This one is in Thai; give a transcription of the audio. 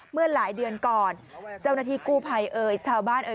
เมื่อหลายเดือนก่อนเจ้าหน้าที่กู้ภัยเอ่ยชาวบ้านเอ่ย